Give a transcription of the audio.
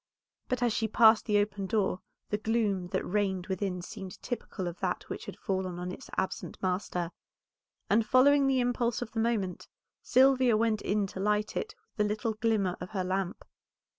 But as she passed the open door the gloom that reigned within seemed typical of that which had fallen on its absent master, and following the impulse of the moment Sylvia went in to light it with the little glimmer of her lamp.